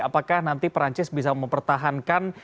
apakah nanti perancis bisa mempertahankan